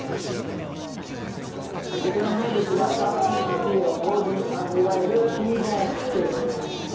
こちらの名物はサーロインとフィレを同時に味わえるＴボーンステーキ。